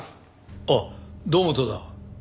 ああ堂本だ。